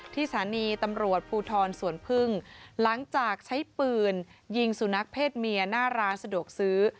สถานีตำรวจภูทรสวนพึ่งหลังจากใช้ปืนยิงสุนัขเพศเมียหน้าร้านสะดวกซื้อ